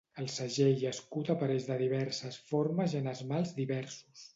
El segell i escut apareix de diverses formes i en esmalts diversos.